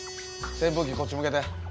扇風機こっち向けて。